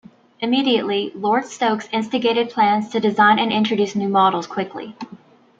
Immediately, Lord Stokes instigated plans to design and introduce new models quickly.